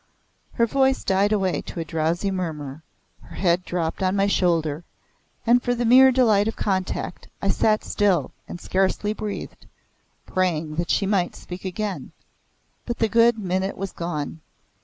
Her voice died away to a drowsy murmur; her head dropped on my shoulder and for the mere delight of contact I sat still and scarcely breathed, praying that she might speak again, but the good minute was gone.